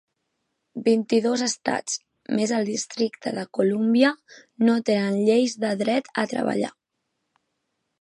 Vint-i-dos estats, més el districte de Colúmbia, no tenen lleis de dret a treballar.